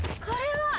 これは。